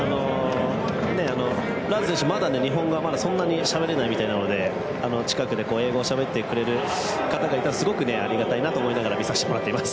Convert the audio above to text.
ラーズ選手、まだ日本語はそんなにしゃべれないみたいなので近くで英語でしゃべってくれる方がいたらすごくありがたいなと思いながら見させてもらっています。